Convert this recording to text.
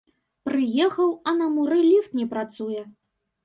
Прыехаў, а на муры ліфт не працуе!